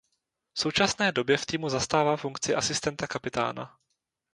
V současné době v týmu zastává funkci asistenta kapitána.